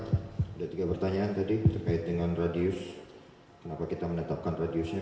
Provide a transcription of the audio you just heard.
ada tiga pertanyaan tadi terkait dengan radius kenapa kita menetapkan radiusnya